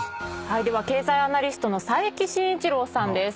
では経済アナリストの佐伯真一郎さんです。